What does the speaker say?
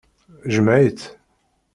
Jmeɛ-itt.